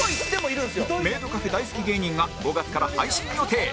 メイドカフェ大好き芸人が５月から配信予定